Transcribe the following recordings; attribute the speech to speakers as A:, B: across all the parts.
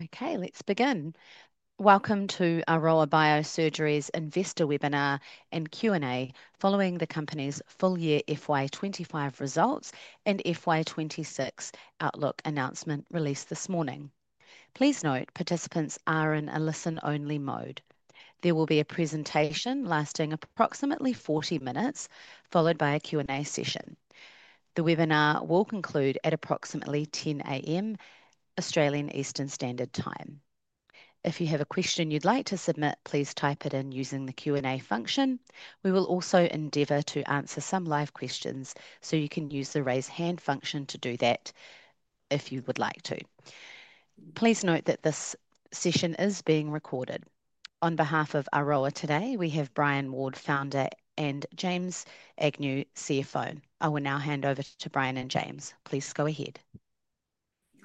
A: Okay, let's begin. Welcome to Aroa Biosurgery's Investor Webinar and Q&A following the company's full-year FY 2025 results and FY 2026 outlook announcement released this morning. Please note participants are in a listen-only mode. There will be a presentation lasting approximately 40 minutes, followed by a Q&A session. The webinar will conclude at approximately 10:00 A.M. Australian Eastern Standard Time. If you have a question you'd like to submit, please type it in using the Q&A function. We will also endeavour to answer some live questions, so you can use the raise hand function to do that if you would like to. Please note that this session is being recorded. On behalf of Aroa today, we have Brian Ward, Founder, and James Agnew, CFO. I will now hand over to Brian and James. Please go ahead.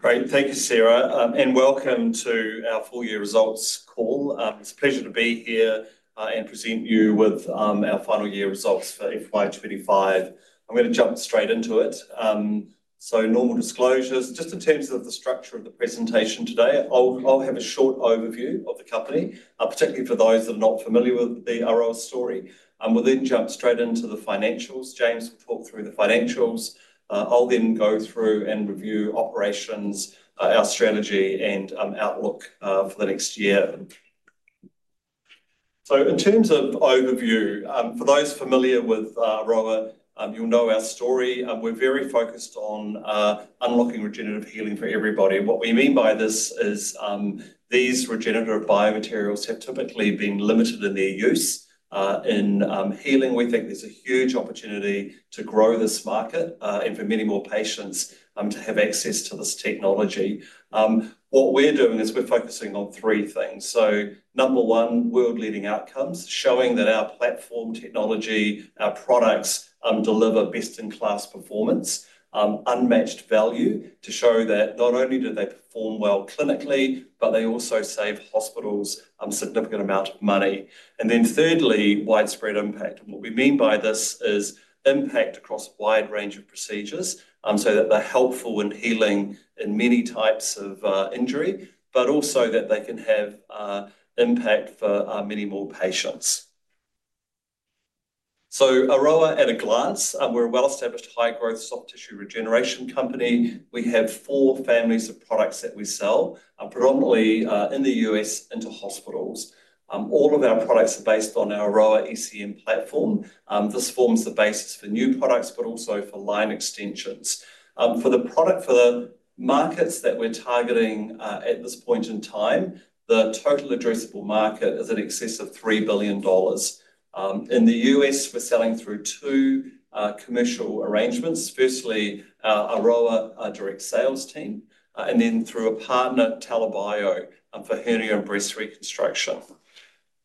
B: Great. Thank you, Sarah, and welcome to our full-year results call. It's a pleasure to be here and present you with our final year results for FY 25. I'm going to jump straight into it. Normal disclosures. Just in terms of the structure of the presentation today, I'll have a short overview of the company, particularly for those that are not familiar with the Aroa story. We'll then jump straight into the financials. James will talk through the financials. I'll then go through and review operations, our strategy, and outlook for the next year. In terms of overview, for those familiar with Aroa, you'll know our story. We're very focused on unlocking regenerative healing for everybody. What we mean by this is these regenerative biomaterials have typically been limited in their use. In healing, we think there's a huge opportunity to grow this market and for many more patients to have access to this technology. What we're doing is we're focusing on three things. Number one, world-leading outcomes, showing that our platform technology, our products deliver best-in-class performance, unmatched value to show that not only do they perform well clinically, but they also save hospitals a significant amount of money. Thirdly, widespread impact. What we mean by this is impact across a wide range of procedures so that they're helpful in healing in many types of injury, but also that they can have impact for many more patients. Aroa at a glance, we're a well-established, high-growth soft tissue regeneration company. We have four families of products that we sell, predominantly in the U.S. into hospitals. All of our products are based on our AROA ECM platform. This forms the basis for new products, but also for line extensions. For the product for the markets that we're targeting at this point in time, the total addressable market is in excess of $3 billion. In the U.S., we're selling through two commercial arrangements. Firstly, Aroa direct sales team, and then through a partner, TELA Bio, for hernia and breast reconstruction.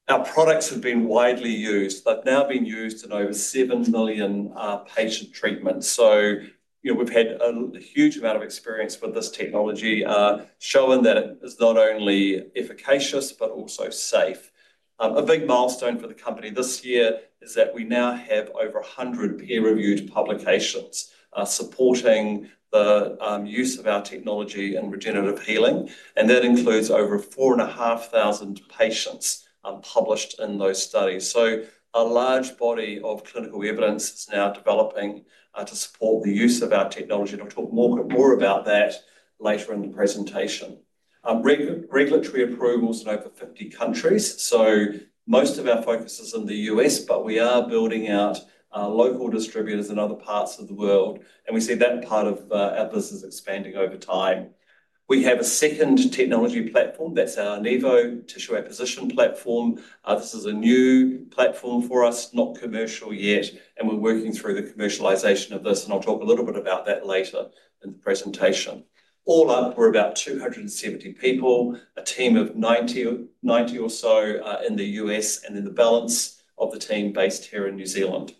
B: Our products have been widely used. They've now been used in over 7 million patient treatments. We've had a huge amount of experience with this technology, showing that it is not only efficacious but also safe. A big milestone for the company this year is that we now have over 100 peer-reviewed publications supporting the use of our technology in regenerative healing. That includes over 4,500 patients published in those studies. A large body of clinical evidence is now developing to support the use of our technology. I'll talk more about that later in the presentation. Regulatory approvals in over 50 countries. Most of our focus is in the U.S., but we are building out local distributors in other parts of the world. We see that part of our business expanding over time. We have a second technology platform. That's our Enivo tissue acquisition platform. This is a new platform for us, not commercial yet. We're working through the commercialisation of this. I'll talk a little bit about that later in the presentation. All up, we're about 270 people, a team of 90 or so in the U.S., and then the balance of the team based here in New Zealand.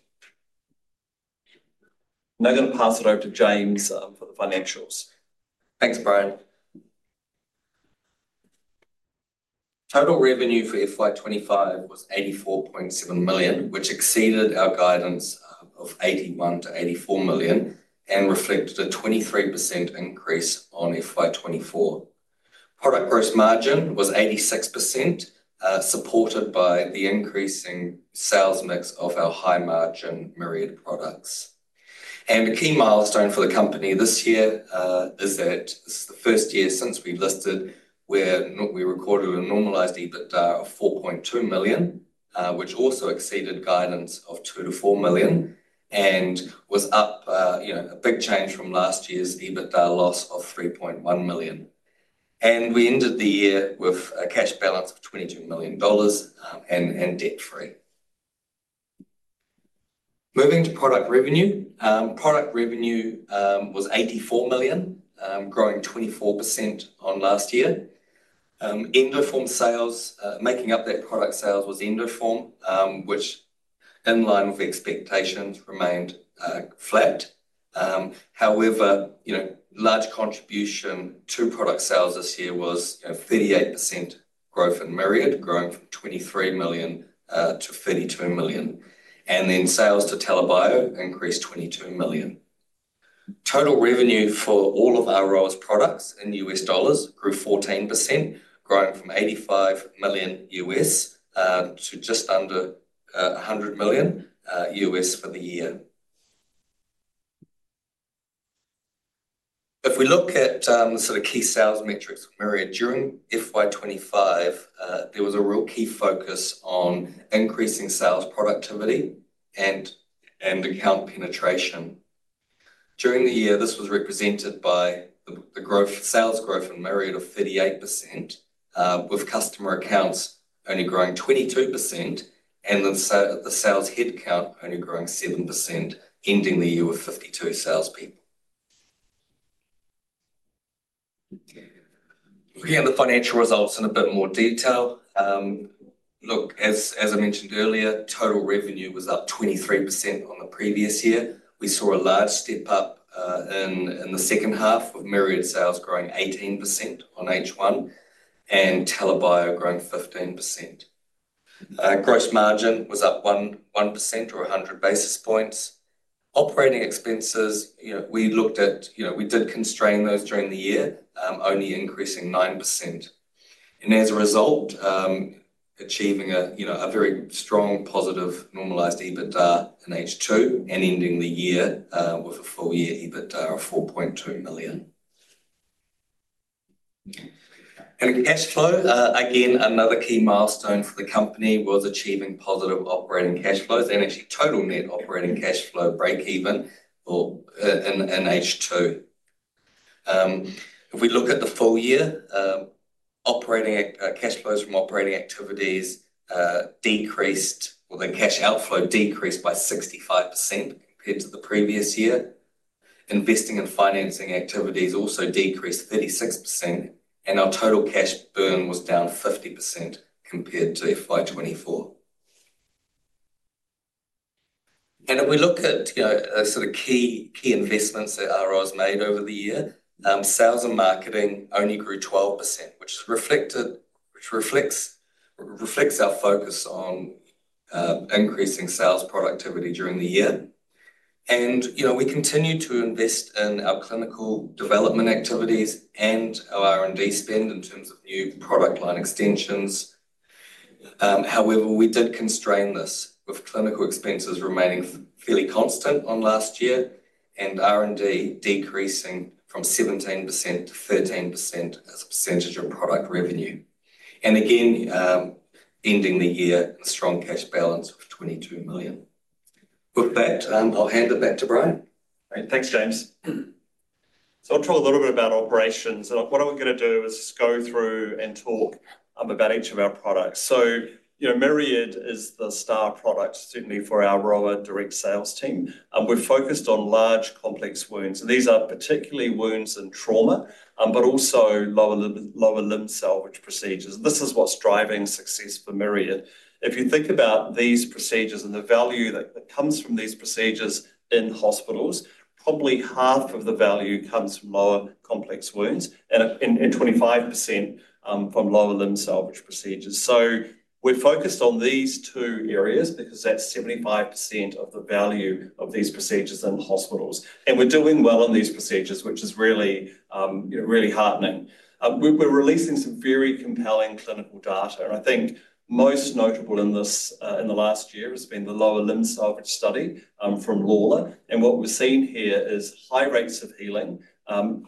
B: Now I'm going to pass it over to James for the financials.
C: Thanks, Brian. Total revenue for FY 2025 was 84.7 million, which exceeded our guidance of 81 million-84 million and reflected a 23% increase on FY 24. Product gross margin was 86%, supported by the increasing sales mix of our high-margin Myriad products. A key milestone for the company this year is that this is the first year since we've listed where we recorded a normalised EBITDA of 4.2 million, which also exceeded guidance of 2 million-4 million and was a big change from last year's EBITDA loss of 3.1 million. We ended the year with a cash balance of 22 million dollars and debt-free. Moving to product revenue, product revenue was 84 million, growing 24% on last year. Endoform sales, making up that product sales, was Endoform, which in line with expectations remained flat. However, large contribution to product sales this year was 38% growth in Myriad, growing from $23 million to $32 million. Sales to TELA Bio increased $22 million. Total revenue for all of Aroa's products in U.S. dollars grew 14%, growing from $85 million to just under $100 million for the year. If we look at the sort of key sales metrics of Myriad during FY 2025, there was a real key focus on increasing sales productivity and account penetration. During the year, this was represented by the sales growth in Myriad of 38%, with customer accounts only growing 22% and the sales headcount only growing 7%, ending the year with 52 salespeople. Looking at the financial results in a bit more detail, as I mentioned earlier, total revenue was up 23% on the previous year. We saw a large step up in the second half of Myriad sales growing 18% on H1 and TELA Bio growing 15%. Gross margin was up 1% or 100 basis points. Operating expenses, we looked at, we did constrain those during the year, only increasing 9%. As a result, achieving a very strong positive normalized EBITDA in H2 and ending the year with a full-year EBITDA of $4.2 million. Cash flow, again, another key milestone for the company was achieving positive operating cash flows and actually total net operating cash flow break-even in H2. If we look at the full year, operating cash flows from operating activities decreased, or the cash outflow decreased by 65% compared to the previous year. Investing and financing activities also decreased 36%, and our total cash burn was down 50% compared to FY 2024. If we look at the sort of key investments that Aroa has made over the year, sales and marketing only grew 12%, which reflects our focus on increasing sales productivity during the year. We continue to invest in our clinical development activities and our R&D spend in terms of new product line extensions. However, we did constrain this with clinical expenses remaining fairly constant on last year and R&D decreasing from 17% to 13% as a percentage of product revenue. Again, ending the year in a strong cash balance of 22 million. With that, I'll hand it back to Brian.
B: Thanks, James. I'll talk a little bit about operations. What I'm going to do is go through and talk about each of our products. Myriad is the star product, certainly for our Aroa direct sales team. We're focused on large complex wounds. These are particularly wounds in trauma, but also lower limb salvage procedures. This is what's driving success for Myriad. If you think about these procedures and the value that comes from these procedures in hospitals, probably half of the value comes from large complex wounds and 25% from lower limb salvage procedures. We're focused on these two areas because that's 75% of the value of these procedures in hospitals. We're doing well on these procedures, which is really heartening. We're releasing some very compelling clinical data. I think most notable in the last year has been the lower limb salvage study from Lawler. What we've seen here is high rates of healing,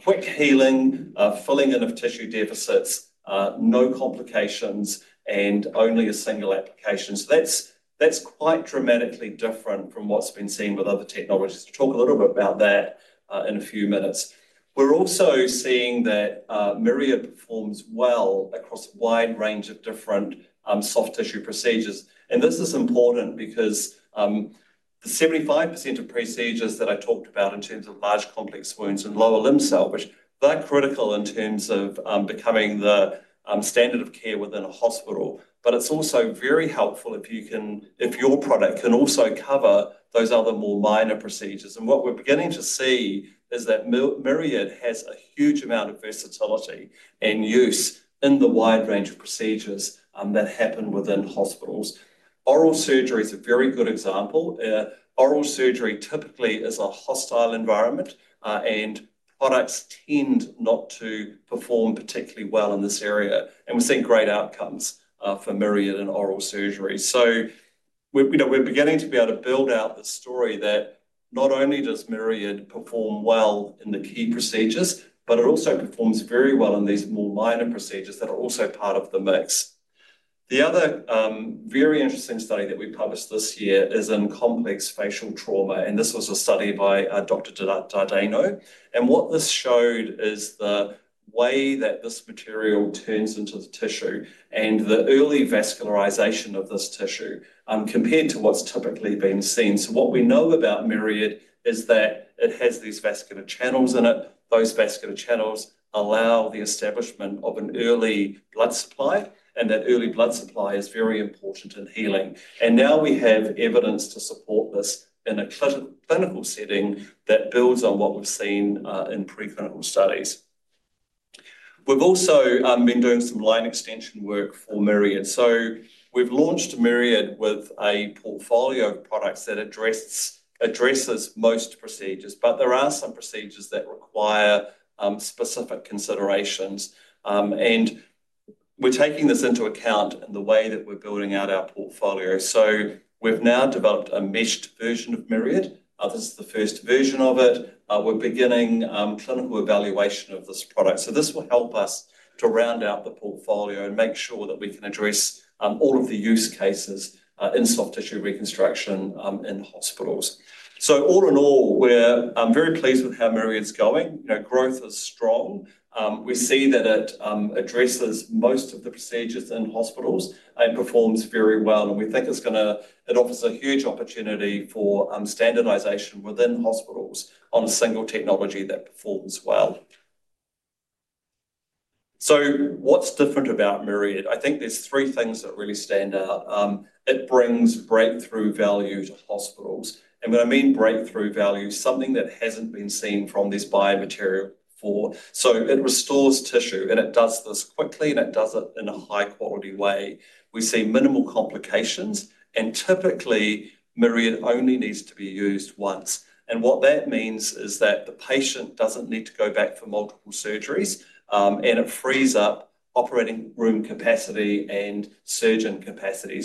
B: quick healing, filling in of tissue deficits, no complications, and only a single application. That is quite dramatically different from what's been seen with other technologies. We'll talk a little bit about that in a few minutes. We're also seeing that Myriad performs well across a wide range of different soft tissue procedures. This is important because the 75% of procedures that I talked about in terms of large complex wounds and lower limb salvage, they're critical in terms of becoming the standard of care within a hospital. It is also very helpful if your product can also cover those other more minor procedures. What we're beginning to see is that Myriad has a huge amount of versatility and use in the wide range of procedures that happen within hospitals. Oral surgery is a very good example. Oral surgery typically is a hostile environment, and products tend not to perform particularly well in this area. We've seen great outcomes for Myriad in oral surgery. We're beginning to be able to build out the story that not only does Myriad perform well in the key procedures, but it also performs very well in these more minor procedures that are also part of the mix. The other very interesting study that we published this year is in complex facial trauma. This was a study by Dr. Dardano. What this showed is the way that this material turns into the tissue and the early vascularisation of this tissue compared to what's typically been seen. What we know about Myriad is that it has these vascular channels in it. Those vascular channels allow the establishment of an early blood supply. That early blood supply is very important in healing. Now we have evidence to support this in a clinical setting that builds on what we've seen in pre-clinical studies. We've also been doing some line extension work for Myriad. We've launched Myriad with a portfolio of products that addresses most procedures. There are some procedures that require specific considerations. We're taking this into account in the way that we're building out our portfolio. We've now developed a meshed version of Myriad. This is the first version of it. We're beginning clinical evaluation of this product. This will help us to round out the portfolio and make sure that we can address all of the use cases in soft tissue reconstruction in hospitals. All in all, we're very pleased with how Myriad's going. Growth is strong. We see that it addresses most of the procedures in hospitals and performs very well. We think it offers a huge opportunity for standardization within hospitals on a single technology that performs well. What's different about Myriad? I think there's three things that really stand out. It brings breakthrough value to hospitals. When I mean breakthrough value, something that hasn't been seen from this biomaterial before. It restores tissue, and it does this quickly, and it does it in a high-quality way. We see minimal complications. Typically, Myriad only needs to be used once. What that means is that the patient doesn't need to go back for multiple surgeries, and it frees up operating room capacity and surgeon capacity.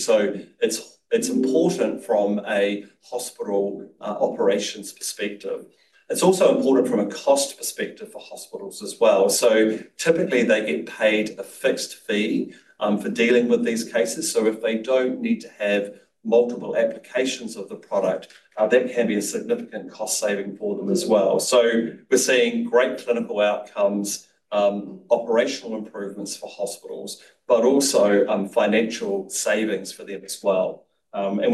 B: It is important from a hospital operations perspective. It is also important from a cost perspective for hospitals as well. Typically, they get paid a fixed fee for dealing with these cases. If they don't need to have multiple applications of the product, that can be a significant cost saving for them as well. We are seeing great clinical outcomes, operational improvements for hospitals, but also financial savings for them as well.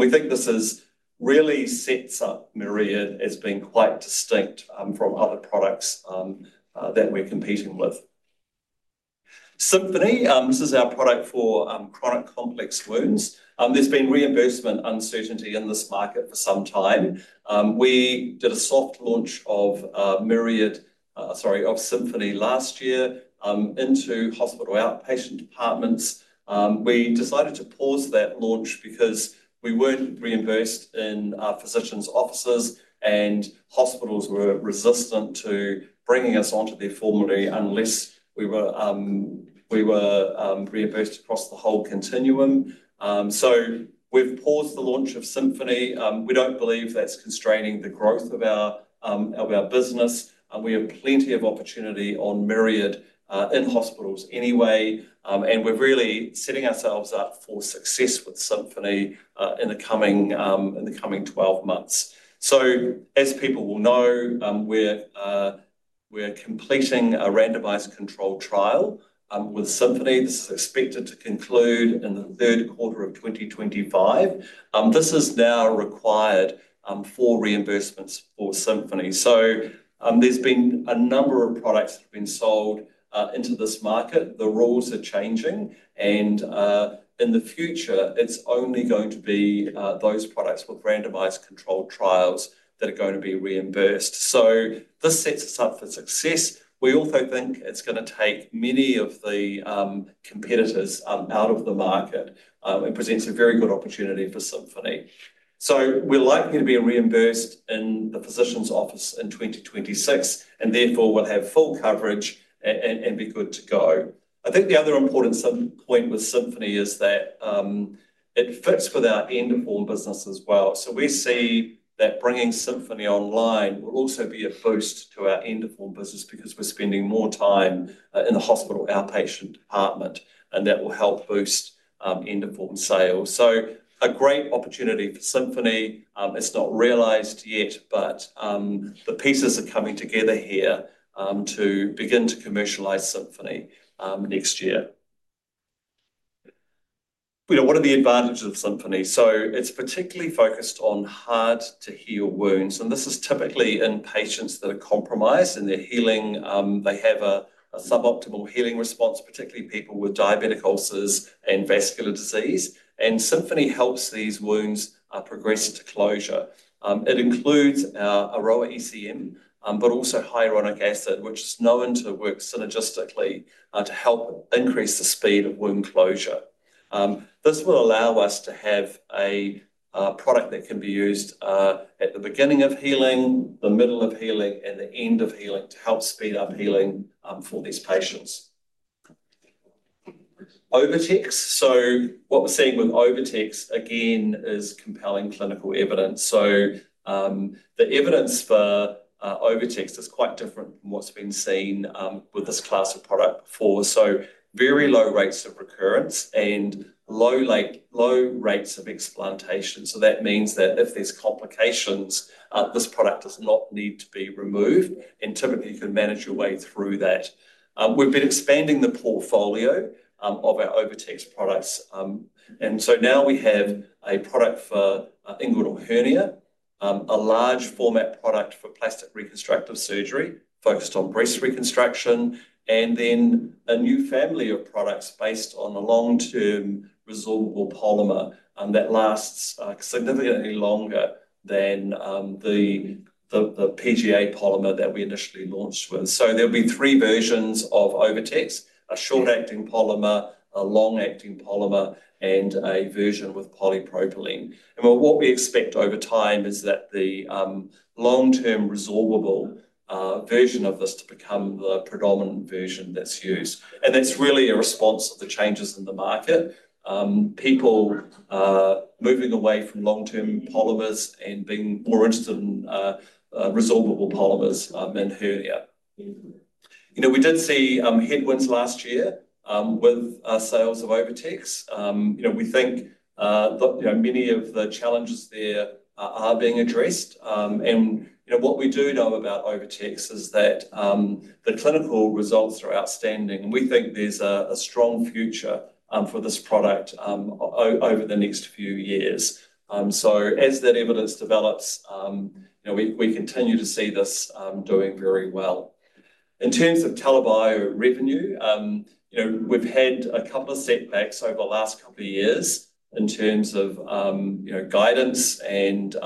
B: We think this really sets up Myriad as being quite distinct from other products that we're competing with. Symphony, this is our product for chronic complex wounds. There has been reimbursement uncertainty in this market for some time. We did a soft launch of Symphony last year into hospital outpatient departments. We decided to pause that launch because we were not reimbursed in our physicians' offices, and hospitals were resistant to bringing us onto their formally unless we were reimbursed across the whole continuum. We have paused the launch of Symphony. We do not believe that is constraining the growth of our business. We have plenty of opportunity on Myriad in hospitals anyway. We are really setting ourselves up for success with Symphony in the coming 12 months. As people will know, we are completing a randomised control trial with Symphony. This is expected to conclude in the third quarter of 2025. This is now required for reimbursements for Symphony. There have been a number of products that have been sold into this market. The rules are changing. In the future, it's only going to be those products with randomised control trials that are going to be reimbursed. This sets us up for success. We also think it's going to take many of the competitors out of the market and presents a very good opportunity for Symphony. We're likely to be reimbursed in the physicians' office in 2026, and therefore we'll have full coverage and be good to go. I think the other important point with Symphony is that it fits with our Endoform business as well. We see that bringing Symphony online will also be a boost to our Endoform business because we're spending more time in the hospital outpatient department, and that will help boost Endoform sales. A great opportunity for Symphony. It's not realised yet, but the pieces are coming together here to begin to commercialise Symphony next year. What are the advantages of Symphony? It is particularly focused on hard-to-heal wounds. This is typically in patients that are compromised in their healing. They have a suboptimal healing response, particularly people with diabetic ulcers and vascular disease. Symphony helps these wounds progress into closure. It includes our AROAa ECM, but also hyaluronic acid, which is known to work synergistically to help increase the speed of wound closure. This will allow us to have a product that can be used at the beginning of healing, the middle of healing, and the end of healing to help speed up healing for these patients. OviTex. What we are seeing with OviTex, again, is compelling clinical evidence. The evidence for OviTex is quite different from what has been seen with this class of product before. Very low rates of recurrence and low rates of explantation. That means that if there's complications, this product does not need to be removed. Typically, you can manage your way through that. We've been expanding the portfolio of our OviTex products. Now we have a product for inguinal hernia, a large-format product for plastic reconstructive surgery focused on breast reconstruction, and then a new family of products based on a long-term resorbable polymer that lasts significantly longer than the PGA polymer that we initially launched with. There will be three versions of OviTex: a short-acting polymer, a long-acting polymer, and a version with polypropylene. What we expect over time is that the long-term resorbable version of this will become the predominant version that's used. That's really a response to the changes in the market, people moving away from long-term polymers and being more interested in resorbable polymers and hernia. We did see headwinds last year with sales of OviTex. We think many of the challenges there are being addressed. What we do know about OviTex is that the clinical results are outstanding. We think there is a strong future for this product over the next few years. As that evidence develops, we continue to see this doing very well. In terms of TELA Bio revenue, we have had a couple of setbacks over the last couple of years in terms of guidance and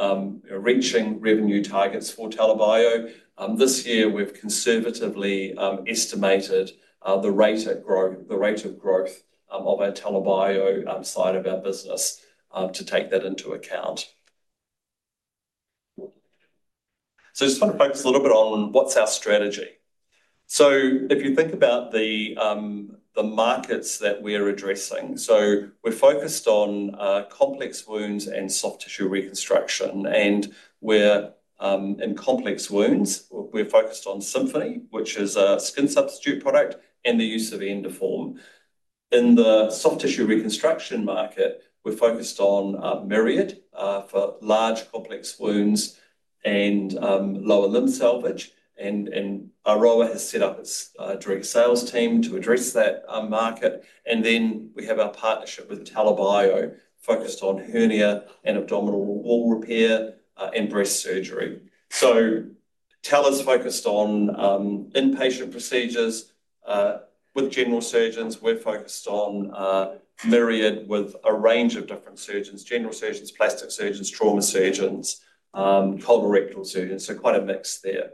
B: reaching revenue targets for TELA Bio. This year, we have conservatively estimated the rate of growth of our TELA Bio side of our business to take that into account. I just want to focus a little bit on what is our strategy. If you think about the markets that we are addressing, we are focused on complex wounds and soft tissue reconstruction. In complex wounds, we're focused on Symphony, which is a skin substitute product, and the use of Endoform. In the soft tissue reconstruction market, we're focused on Myriad for large complex wounds and lower limb salvage. Aroa has set up its direct sales team to address that market. We have our partnership with TELA Bio focused on hernia and abdominal wall repair and breast surgery. TELA is focused on inpatient procedures with general surgeons. We're focused on Myriad with a range of different surgeons: general surgeons, plastic surgeons, trauma surgeons, colorectal surgeons. Quite a mix there.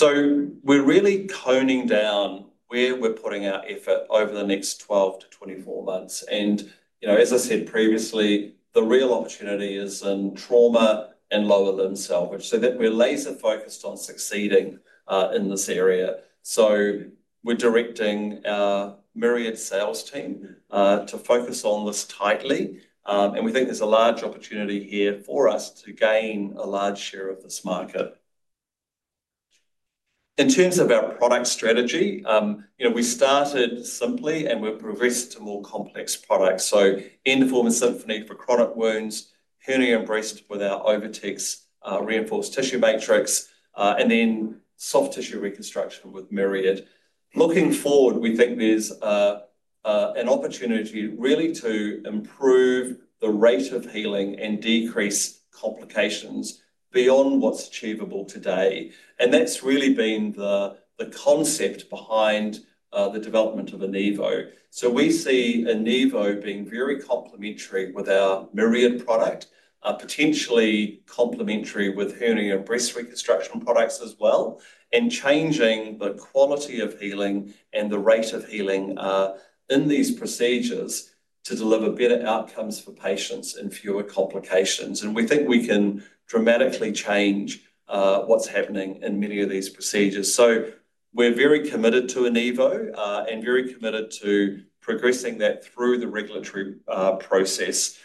B: We're really honing down where we're putting our effort over the next 12-24 months. As I said previously, the real opportunity is in trauma and lower limb salvage. We're laser-focused on succeeding in this area. We're directing our Myriad sales team to focus on this tightly. We think there's a large opportunity here for us to gain a large share of this market. In terms of our product strategy, we started simply, and we've progressed to more complex products. Endoform and Symphony for chronic wounds, hernia and breast with our OviTex reinforced tissue matrix, and then soft tissue reconstruction with Myriad. Looking forward, we think there's an opportunity really to improve the rate of healing and decrease complications beyond what's achievable today. That's really been the concept behind the development of Enivo. We see Enivo being very complementary with our Myriad product, potentially complementary with hernia and breast reconstruction products as well, and changing the quality of healing and the rate of healing in these procedures to deliver better outcomes for patients and fewer complications. We think we can dramatically change what's happening in many of these procedures. We are very committed to Enivo and very committed to progressing that through the regulatory process.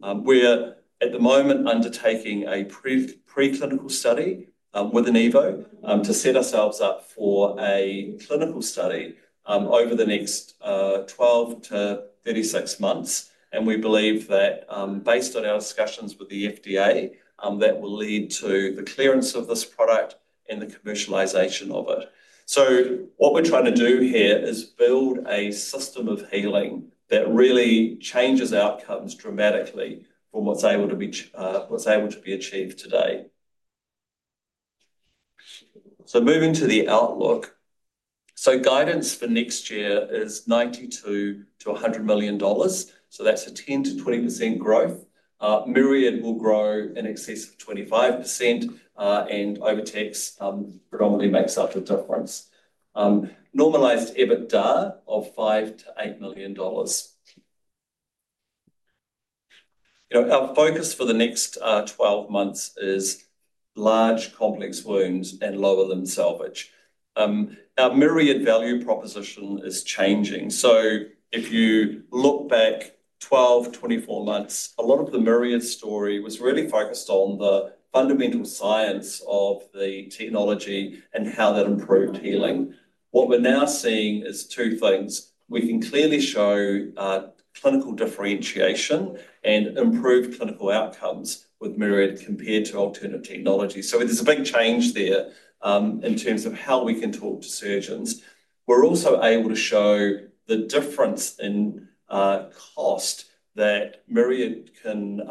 B: We are, at the moment, undertaking a pre-clinical study with Enivo to set ourselves up for a clinical study over the next 12-36 months. We believe that, based on our discussions with the FDA, that will lead to the clearance of this product and the commercialisation of it. What we are trying to do here is build a system of healing that really changes outcomes dramatically from what's able to be achieved today. Moving to the outlook. Guidance for next year is $92 million-$100 million. That is a 10%-20% growth. Myriad will grow in excess of 25%, and OviTex predominantly makes up the difference. Normalised EBITDA of $5 million-$8 million. Our focus for the next 12 months is large complex wounds and lower limb salvage. Our Myriad value proposition is changing. If you look back 12, 24 months, a lot of the Myriad story was really focused on the fundamental science of the technology and how that improved healing. What we are now seeing is two things. We can clearly show clinical differentiation and improved clinical outcomes with Myriad compared to alternative technology. There is a big change there in terms of how we can talk to surgeons. We are also able to show the difference in cost that Myriad can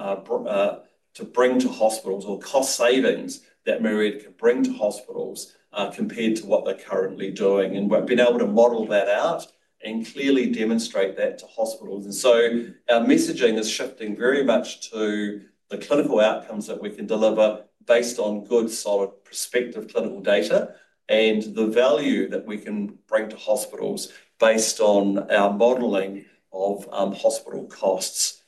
B: bring to hospitals or cost savings that Myriad can bring to hospitals compared to what they are currently doing. We have been able to model that out and clearly demonstrate that to hospitals. Our messaging is shifting very much to the clinical outcomes that we can deliver based on good, solid, prospective clinical data and the value that we can bring to hospitals based on our modelling of hospital costs.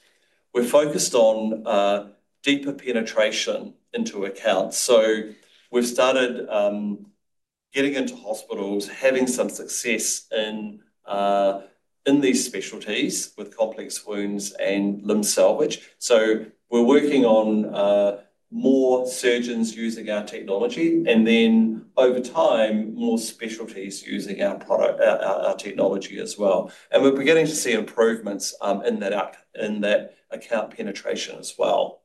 B: We are focused on deeper penetration into accounts. We have started getting into hospitals, having some success in these specialties with complex wounds and limb salvage. We are working on more surgeons using our technology and then, over time, more specialties using our technology as well. We are beginning to see improvements in that account penetration as well.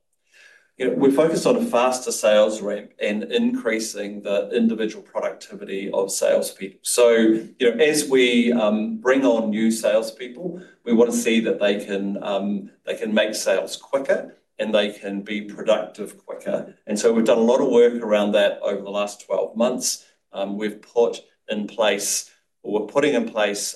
B: We are focused on a faster sales ramp and increasing the individual productivity of salespeople. As we bring on new salespeople, we want to see that they can make sales quicker and they can be productive quicker. We have done a lot of work around that over the last 12 months. We've put in place or we're putting in place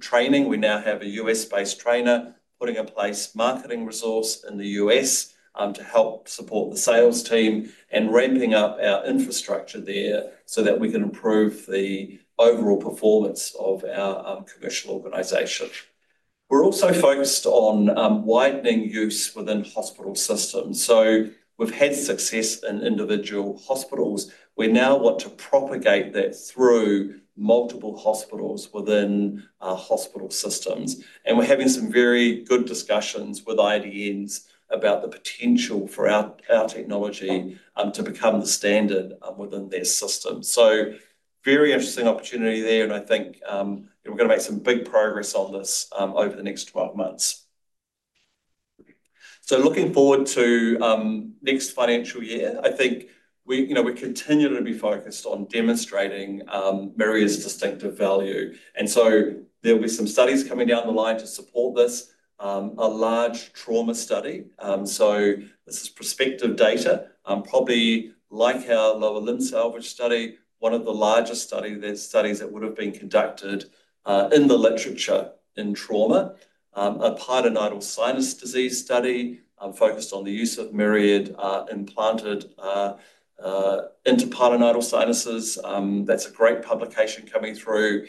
B: training. We now have a U.S.-based trainer putting in place a marketing resource in the U.S. to help support the sales team and ramping up our infrastructure there so that we can improve the overall performance of our commercial organization. We're also focused on widening use within hospital systems. We've had success in individual hospitals. We now want to propagate that through multiple hospitals within hospital systems. We're having some very good discussions with IDNs about the potential for our technology to become the standard within their system. Very interesting opportunity there. I think we're going to make some big progress on this over the next 12 months. Looking forward to next financial year, I think we continue to be focused on demonstrating Myriad's distinctive value. There'll be some studies coming down the line to support this. A large trauma study. This is prospective data. Probably like our lower limb salvage study, one of the largest studies that would have been conducted in the literature in trauma. A pilonidal sinus disease study focused on the use of Myriad implanted in interpilonidal sinuses. That's a great publication coming through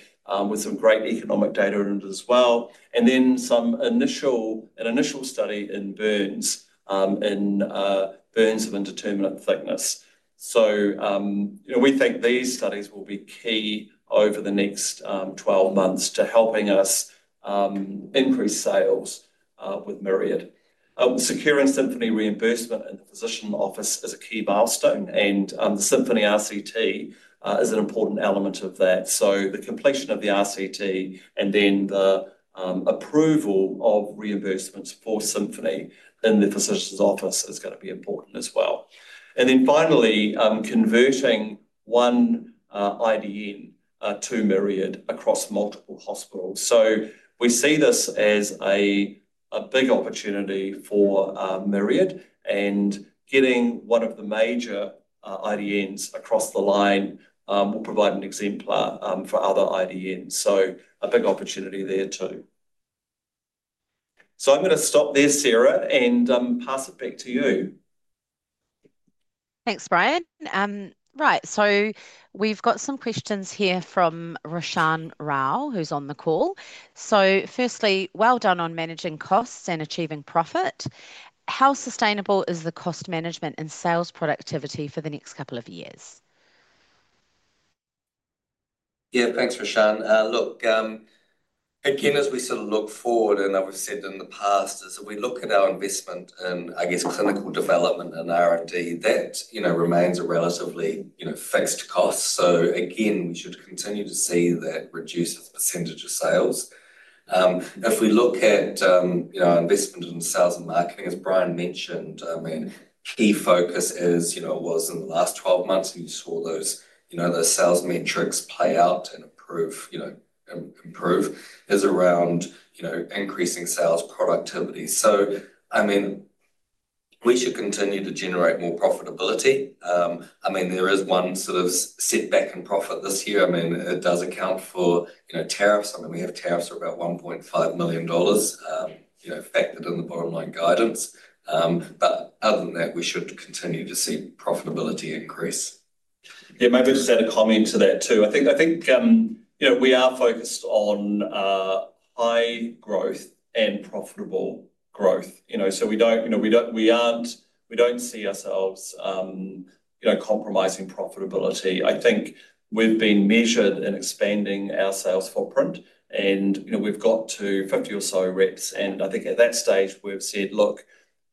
B: with some great economic data in it as well. An initial study in burns of indeterminate thickness. We think these studies will be key over the next 12 months to helping us increase sales with Myriad. Securing Symphony reimbursement in the physician office is a key milestone. The Symphony RCT is an important element of that. The completion of the RCT and then the approval of reimbursements for Symphony in the physician's office is going to be important as well. Finally, converting one IDN to Myriad across multiple hospitals. We see this as a big opportunity for Myriad. Getting one of the major IDNs across the line will provide an exemplar for other IDNs. A big opportunity there too. I'm going to stop there, Sarah, and pass it back to you.
A: Thanks, Brian. Right. We've got some questions here from Roshan Rao, who's on the call. Firstly, well done on managing costs and achieving profit. How sustainable is the cost management and sales productivity for the next couple of years?
C: Yeah, thanks, Roshan. Look, again, as we sort of look forward, and I've said in the past, as we look at our investment in, I guess, clinical development and R&D, that remains a relatively fixed cost. Again, we should continue to see that reduce its percentage of sales. If we look at our investment in sales and marketing, as Brian mentioned, I mean, key focus as it was in the last 12 months, and you saw those sales metrics play out and improve, is around increasing sales productivity. So I mean, we should continue to generate more profitability. I mean, there is one sort of setback in profit this year. I mean, it does account for tariffs. I mean, we have tariffs of about $1.5 million factored in the bottom-line guidance. Other than that, we should continue to see profitability increase.
B: Yeah, maybe just add a comment to that too. I think we are focused on high growth and profitable growth. We do not see ourselves compromising profitability. I think we have been measured in expanding our sales footprint. We have got to 50 or so reps. I think at that stage, we've said, "Look,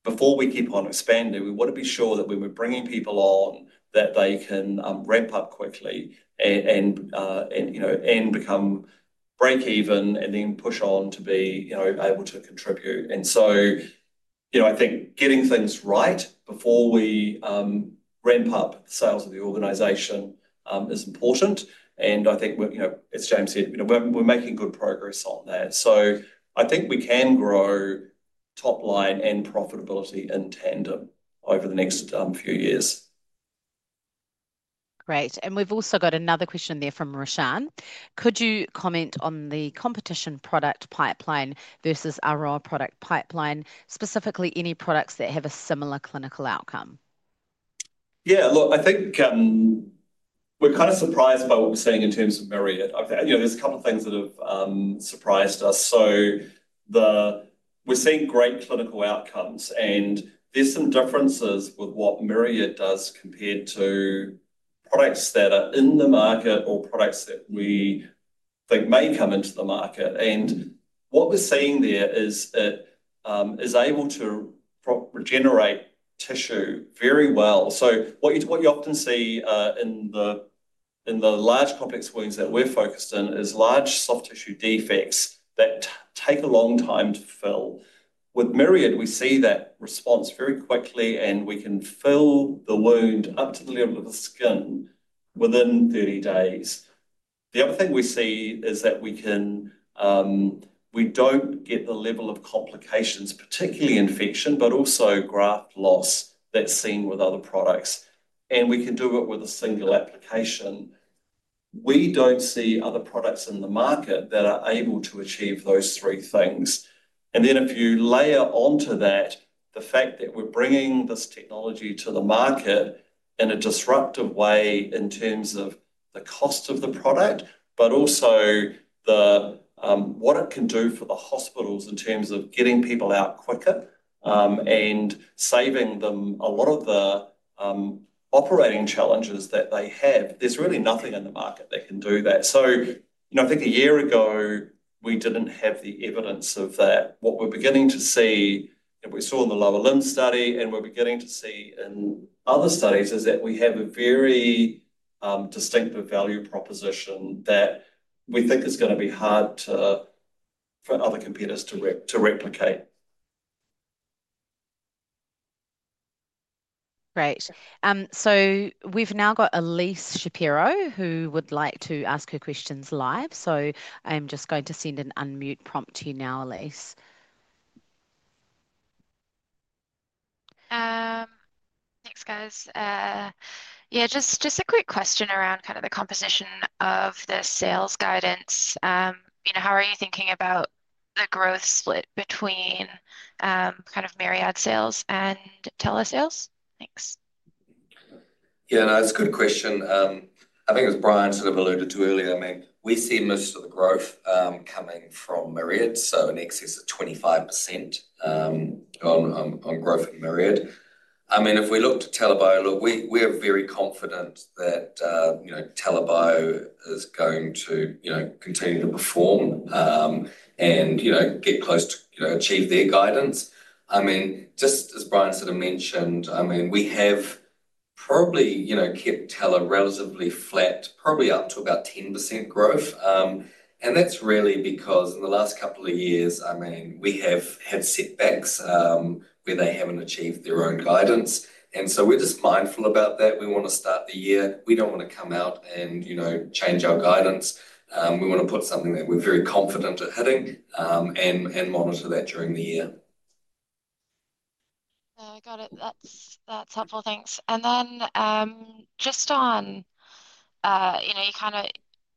B: before we keep on expanding, we want to be sure that when we're bringing people on, that they can ramp up quickly and become break-even and then push on to be able to contribute." I think getting things right before we ramp up the sales of the organization is important. I think, as James said, we're making good progress on that. I think we can grow top-line and profitability in tandem over the next few years.
A: Great. We've also got another question there from Roshan. Could you comment on the competition product pipeline versus Aroa product pipeline, specifically any products that have a similar clinical outcome?
B: Yeah, look, I think we're kind of surprised by what we're seeing in terms of Myriad. There's a couple of things that have surprised us. We're seeing great clinical outcomes. There's some differences with what Myriad does compared to products that are in the market or products that we think may come into the market. What we're seeing there is it is able to regenerate tissue very well. What you often see in the large complex wounds that we're focused in is large soft tissue defects that take a long time to fill. With Myriad, we see that response very quickly, and we can fill the wound up to the level of the skin within 30 days. The other thing we see is that we don't get the level of complications, particularly infection, but also graft loss that's seen with other products. We can do it with a single application. We don't see other products in the market that are able to achieve those three things. If you layer onto that, the fact that we're bringing this technology to the market in a disruptive way in terms of the cost of the product, but also what it can do for the hospitals in terms of getting people out quicker and saving them a lot of the operating challenges that they have, there's really nothing in the market that can do that. I think a year ago, we didn't have the evidence of that. What we're beginning to see, and we saw in the lower limb study, and we're beginning to see in other studies, is that we have a very distinctive value proposition that we think is going to be hard for other competitors to replicate.
A: Great. We've now got Elyse Shapiro, who would like to ask her questions live. I'm just going to send an unmute prompt to you now, Elyse.
D: Thanks, guys. Yeah, just a quick question around kind of the composition of the sales guidance. How are you thinking about the growth split between kind of Myriad sales and TELA sales? Thanks.
C: Yeah, no, that's a good question. I think as Brian sort of alluded to earlier, I mean, we see most of the growth coming from Myriad. So an excess of 25% on growth in Myriad. I mean, if we look to TELA Bio, look, we are very confident that TELA Bio is going to continue to perform and get close to achieve their guidance. I mean, just as Brian sort of mentioned, I mean, we have probably kept TELA relatively flat, probably up to about 10% growth. That is really because in the last couple of years, I mean, we have had setbacks where they have not achieved their own guidance. We are just mindful about that. We want to start the year. We do not want to come out and change our guidance. We want to put something that we are very confident at hitting and monitor that during the year.
D: Got it. That is helpful. Thanks. Then just on,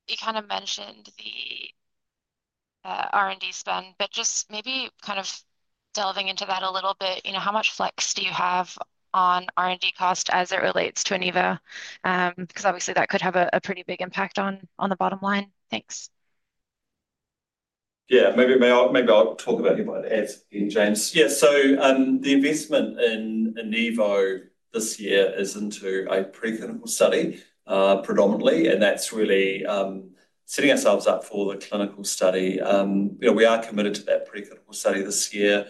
D: you kind of mentioned the R&D spend, but just maybe kind of delving into that a little bit. How much flex do you have on R&D cost as it relates to Enivo? Because obviously, that could have a pretty big impact on the bottom line. Thanks.
B: Yeah, maybe I will talk about Enivo at the end, James. Yeah, so the investment in Enivo this year is into a pre-clinical study predominantly. That's really setting ourselves up for the clinical study. We are committed to that pre-clinical study this year.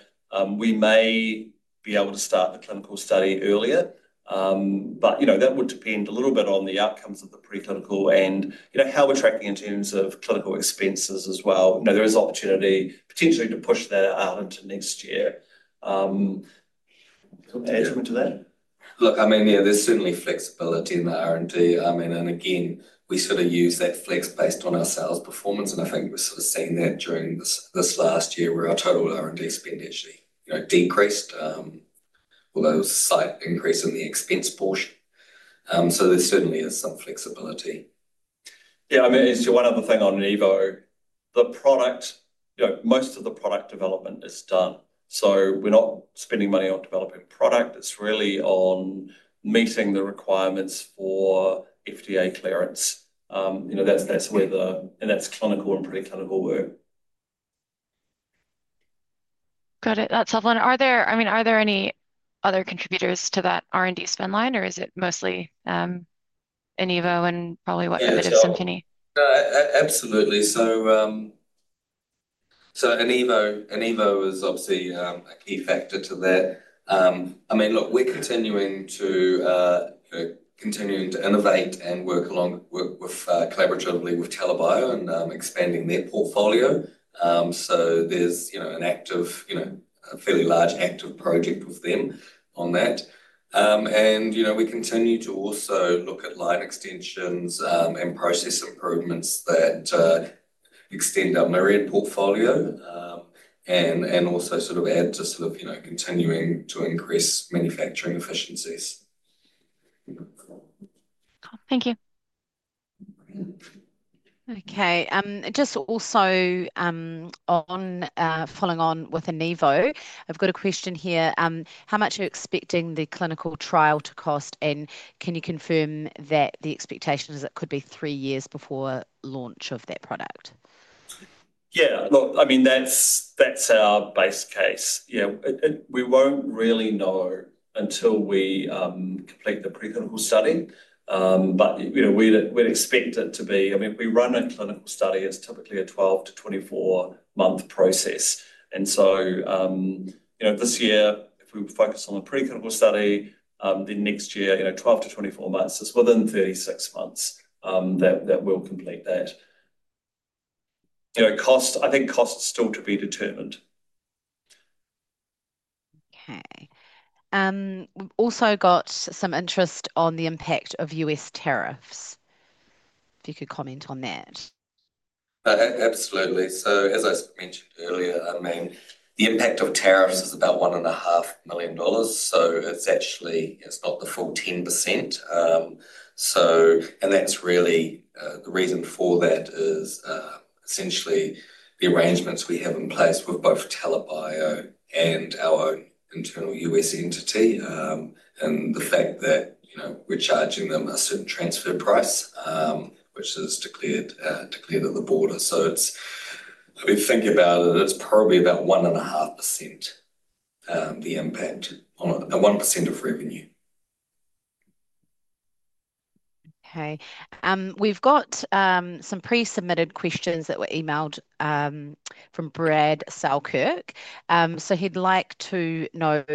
B: We may be able to start the clinical study earlier. That would depend a little bit on the outcomes of the pre-clinical and how we're tracking in terms of clinical expenses as well. There is opportunity potentially to push that out into next year. Can you add something to that?
C: Look, I mean, yeah, there's certainly flexibility in the R&D. I mean, and again, we sort of use that flex based on our sales performance. I think we're sort of seeing that during this last year where our total R&D spend actually decreased, although a slight increase in the expense portion. There certainly is some flexibility.
B: Yeah, I mean, one other thing on Enivo, most of the product development is done. We're not spending money on developing product. It's really on meeting the requirements for FDA clearance. That's where the—and that's clinical and pre-clinical work.
D: Got it. That's helpful. I mean, are there any other contributors to that R&D spend line, or is it mostly Enivo and probably what's a bit of Symphony?
B: Absolutely. So Enivo is obviously a key factor to that. I mean, look, we're continuing to innovate and work collaboratively with TELA Bio and expanding their portfolio. There's a fairly large active project with them on that. We continue to also look at line extensions and process improvements that extend our Myriad portfolio and also sort of add to continuing to increase manufacturing efficiencies.
D: Thank you.
A: Okay. Just also following on with Enivo, I've got a question here. How much are you expecting the clinical trial to cost? Can you confirm that the expectation is it could be three years before launch of that product?
B: Yeah. Look, I mean, that's our base case. We won't really know until we complete the pre-clinical study. But we'd expect it to be—I mean, we run a clinical study. It's typically a 12-24 month process. This year, if we focus on the pre-clinical study, then next year, 12-24 months, it's within 36 months that we'll complete that. I think cost's still to be determined.
A: Okay. We've also got some interest on the impact of U.S. tariffs. If you could comment on that.
C: Absolutely. As I mentioned earlier, I mean, the impact of tariffs is about $1.5 million. It's not the full 10%. That is really the reason for that, is essentially the arrangements we have in place with both TELA Bio and our own internal U.S. entity and the fact that we're charging them a certain transfer price, which is declared at the border. If you think about it, it's probably about 1.5%, the impact on 1% of revenue.
A: Okay. We've got some pre-submitted questions that were emailed from Brad Selkirk. He'd like to know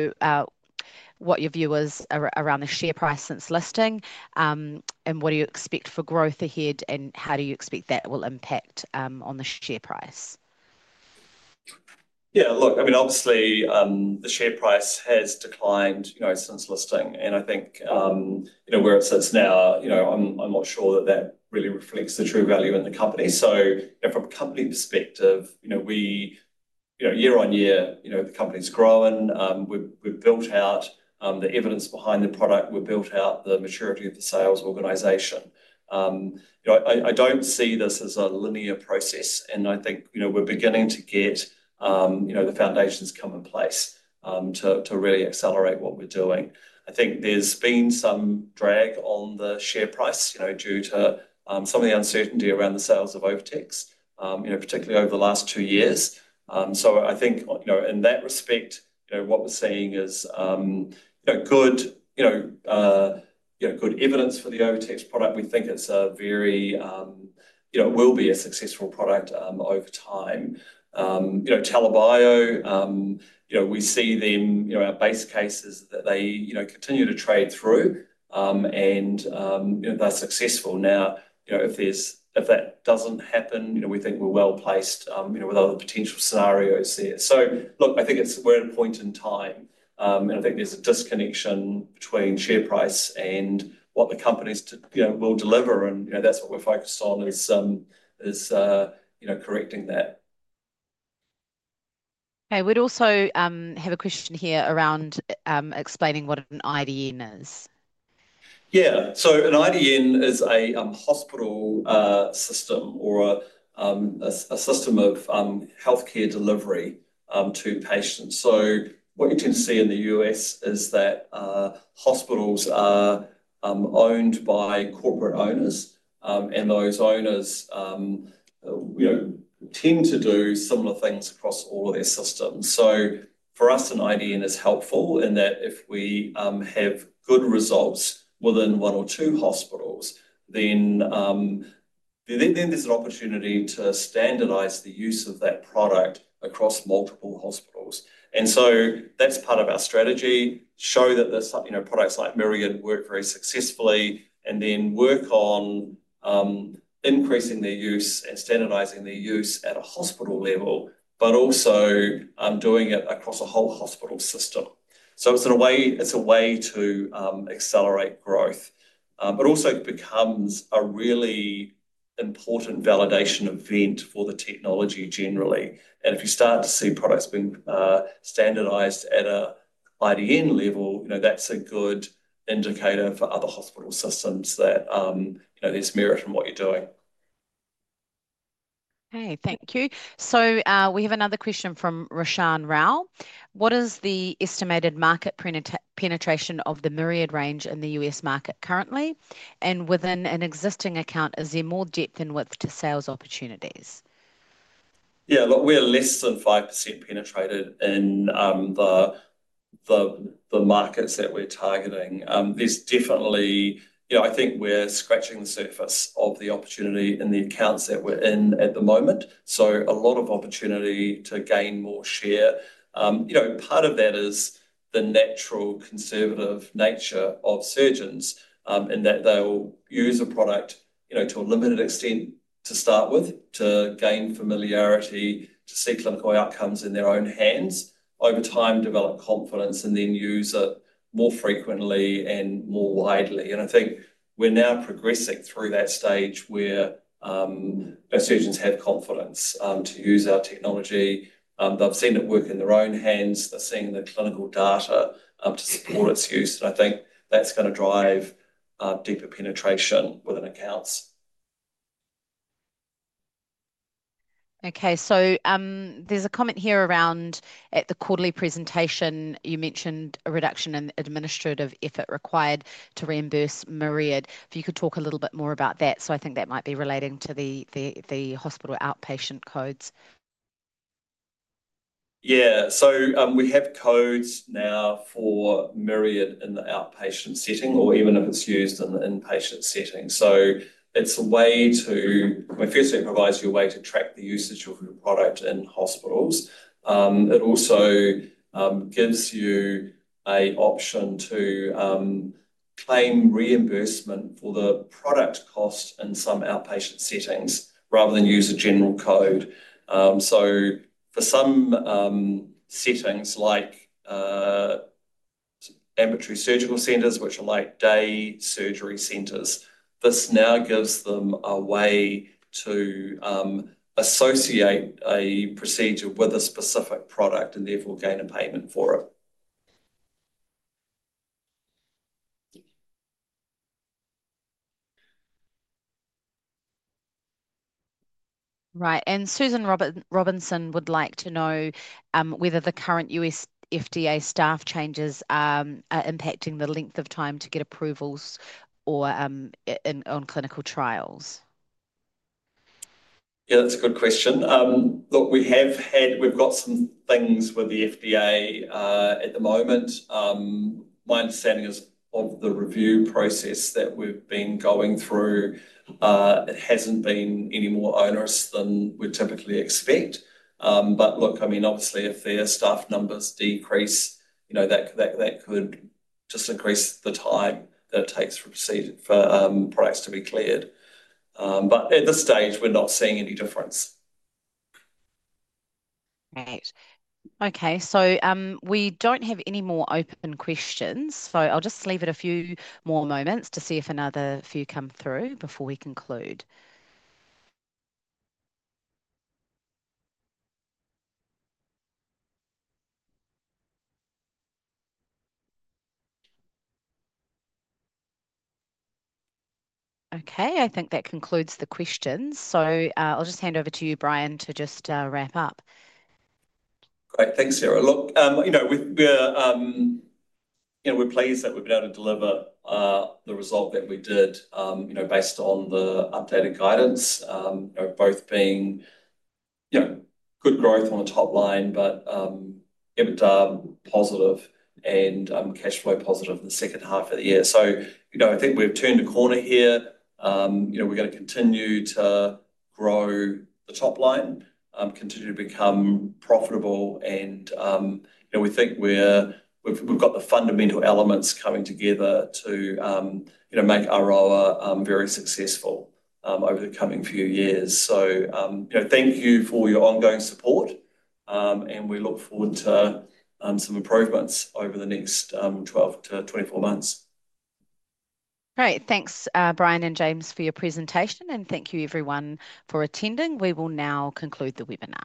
A: what your view is around the share price since listing and what you expect for growth ahead and how you expect that will impact on the share price.
B: Yeah. Look, I mean, obviously, the share price has declined since listing. I think where it sits now, I'm not sure that that really reflects the true value in the company. From a company perspective, year on year, the company's growing. We've built out the evidence behind the product. We've built out the maturity of the sales organization. I don't see this as a linear process. I think we're beginning to get the foundations come in place to really accelerate what we're doing. I think there's been some drag on the share price due to some of the uncertainty around the sales of OviTex, particularly over the last two years. I think in that respect, what we're seeing is good evidence for the OviTex product. We think it's a very—it will be a successful product over time. TELA Bio, we see them—our base case is that they continue to trade through, and they're successful. Now, if that doesn't happen, we think we're well placed with other potential scenarios there. I think we're at a point in time. I think there's a disconnection between share price and what the company will deliver. That's what we're focused on, is correcting that.
A: Okay. We also have a question here around explaining what an IDN is.
B: Yeah. An IDN is a hospital system or a system of healthcare delivery to patients. What you tend to see in the U.S. is that hospitals are owned by corporate owners. Those owners tend to do similar things across all of their systems. For us, an IDN is helpful in that if we have good results within one or two hospitals, then there's an opportunity to standardize the use of that product across multiple hospitals. That is part of our strategy: show that products like Myriad work very successfully, and then work on increasing their use and standardizing their use at a hospital level, but also doing it across a whole hospital system. It is a way to accelerate growth, but also becomes a really important validation event for the technology generally. If you start to see products being standardized at an IDN level, that is a good indicator for other hospital systems that there is merit in what you are doing.
A: Okay. Thank you. We have another question from Roshan Rao. What is the estimated market penetration of the Myriad range in the U.S. market currently? Within an existing account, is there more depth and width to sales opportunities?
B: Yeah. Look, we are less than 5% penetrated in the markets that we are targeting. There's definitely—I think we're scratching the surface of the opportunity in the accounts that we're in at the moment. A lot of opportunity to gain more share. Part of that is the natural conservative nature of surgeons in that they'll use a product to a limited extent to start with, to gain familiarity, to see clinical outcomes in their own hands, over time develop confidence, and then use it more frequently and more widely. I think we're now progressing through that stage where surgeons have confidence to use our technology. They've seen it work in their own hands. They're seeing the clinical data to support its use. I think that's going to drive deeper penetration within accounts.
A: Okay. There's a comment here around at the quarterly presentation, you mentioned a reduction in administrative effort required to reimburse Myriad. If you could talk a little bit more about that. I think that might be relating to the hospital outpatient codes.
B: Yeah. We have codes now for Myriad in the outpatient setting, or even if it's used in the inpatient setting. It's a way to—firstly, it provides you a way to track the usage of your product in hospitals. It also gives you an option to claim reimbursement for the product cost in some outpatient settings rather than use a general code. For some settings like ambulatory surgical centers, which are like day surgery centers, this now gives them a way to associate a procedure with a specific product and therefore gain a payment for it.
A: Right. Susan Robinson would like to know whether the current U.S. FDA staff changes are impacting the length of time to get approvals on clinical trials.
B: Yeah, that's a good question. Look, we've got some things with the FDA at the moment. My understanding is of the review process that we've been going through, it hasn't been any more onerous than we typically expect. I mean, obviously, if their staff numbers decrease, that could just increase the time that it takes for products to be cleared. At this stage, we're not seeing any difference.
A: Right. Okay. We don't have any more open questions. I'll just leave it a few more moments to see if another few come through before we conclude. Okay. I think that concludes the questions. I'll just hand over to you, Brian, to just wrap up.
B: Great. Thanks, Sarah. Look, we're pleased that we've been able to deliver the result that we did based on the updated guidance, both being good growth on the top line, but EBITDA positive and cash flow positive in the second half of the year. I think we've turned a corner here. We're going to continue to grow the top line, continue to become profitable. We think we've got the fundamental elements coming together to make Aroa very successful over the coming few years. Thank you for your ongoing support. We look forward to some improvements over the next 12 to 24 months.
A: Great. Thanks, Brian and James, for your presentation. Thank you, everyone, for attending. We will now conclude the webinar.